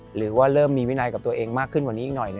หรือว่าเริ่มมีวินัยกับตัวเองมากขึ้นกว่านี้อีกหน่อย